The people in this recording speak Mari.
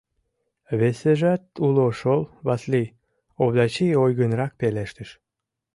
— Весыжат уло шол, Васлий, — Овдачи ойгынрак пелештыш.